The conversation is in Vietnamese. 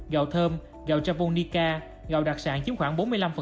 gạo thơm gạo javonica gạo đặc sản chiếm khoảng bốn mươi năm